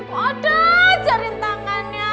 kau ada jarin tangannya